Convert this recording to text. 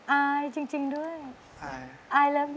อายจริงด้วยอายจริงด้วยอายจริงด้วย